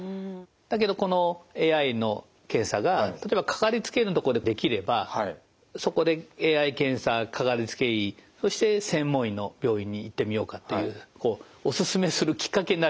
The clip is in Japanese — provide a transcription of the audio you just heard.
だけどこのＡＩの検査が例えば掛かりつけ医のところでできればそこでＡＩ検査掛かりつけ医そして専門医の病院に行ってみようかっていうこうお勧めするきっかけになるわけですよね。